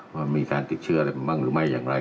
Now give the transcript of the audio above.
ว่ามีการติดเชื้ออะไรมาบ้างหรือไม่อย่างไร